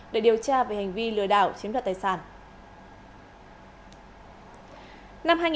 để điều tra về hành vi lừa đảo chiếm đoạt tài sản